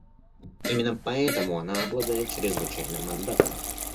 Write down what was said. Именно поэтому она обладает чрезвычайным мандатом.